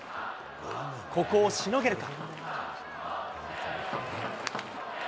ここをしのげるか。